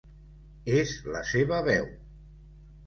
És la seva veu!